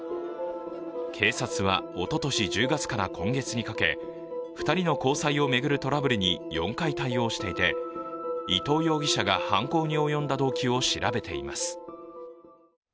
警察はおととし１０月から今月にかけ、２人の交際を巡るトラブルに４回対応していて、伊藤容疑者が犯行に及んだ動機を調べています。